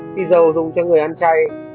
xì dầu dùng cho người ăn chay